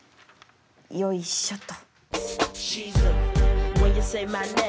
よいしょと。